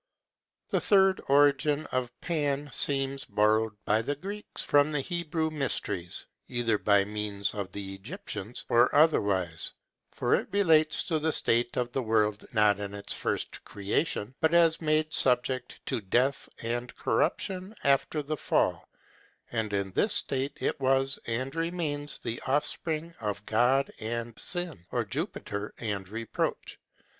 The third origin of Pan seems borrowed by the Greeks from the Hebrew mysteries, either by means of the Egyptians, or otherwise; for it relates to the state of the world, not in its first creation, but as made subject to death and corruption after the fall; and in this state it was and remains, the offspring of God and Sin, or Jupiter and Reproach.